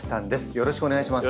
よろしくお願いします。